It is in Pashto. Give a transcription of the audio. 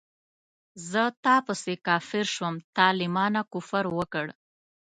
زه تا پسې کافر شوم تا له مانه کفر وکړ